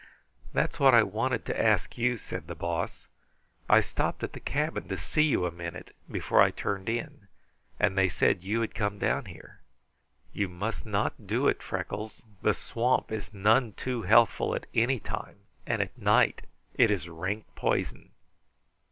"That's what I wanted to ask you," said the Boss. "I stopped at the cabin to see you a minute, before I turned in, and they said you had come down here. You must not do it, Freckles. The swamp is none too healthful at any time, and at night it is rank poison."